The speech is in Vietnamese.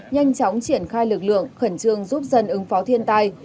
nhanh chóng triển khai lực lượng khẩn trương giúp dân ứng phó thiên tai